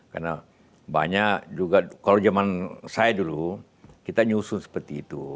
karena banyak juga kalau zaman saya dulu kita nyusun seperti itu